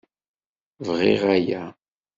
Bɣiɣ aya.